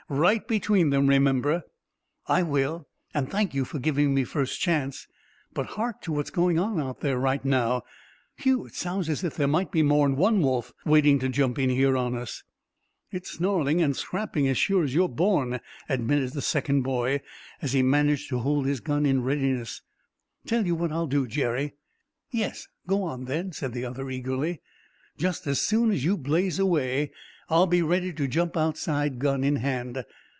Right between them, remember." "I will, and thank you for giving me first chance. But hark to what's going on out there now. Whew! Sounds as if there might be more'n one wolf waiting to jump in here on us." "It's snarling and scrapping, as sure as you're born," admitted the second boy, as he managed to hold his gun in readiness. "Tell you what I'll do, Jerry." "Yes, go on then," said the other eagerly. "Just as soon as you blaze away, I'll be ready to jump outside, gun in hand."